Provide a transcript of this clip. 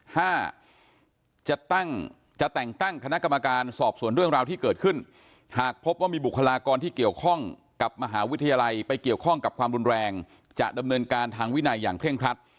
ห้าจะตั้งจะแต่งตั้งคณะกรรมการสอบส่วนเรื่องราวที่เกิดขึ้นหากพบว่ามีบุคลากรที่เกี่ยวข้องกับมหาวิทยาลัยไปเกี่ยวข้องกับความรุนแรงจะดำเนินการทางวินัยอย่างเคร่งครัด